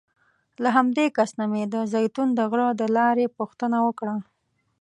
له همدې کس نه مې د زیتون د غره د لارې پوښتنه وکړه.